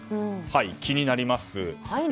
気になります。